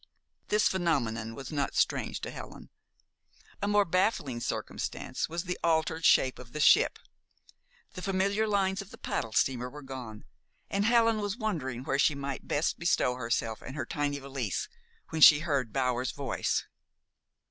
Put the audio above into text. This phenomenon was not strange to Helen. A more baffling circumstance was the altered shape of the ship. The familiar lines of the paddle steamer were gone, and Helen was wondering where she might best bestow herself and her tiny valise, when she heard Bower's voice.